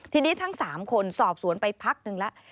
ทีนี้ทั้ง๓คนสอบสวนไปพักหนึ่งแล้ว